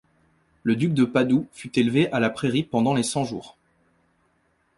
Le duc de Padoue fut élevé à la pairie pendant les Cent-Jours.